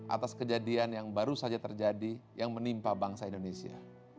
atas kejadian yang baru saja terjadi yang menimpa bangsa indonesia